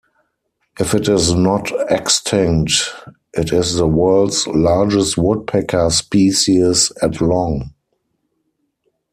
If it is not extinct, it is the world's largest woodpecker species, at long.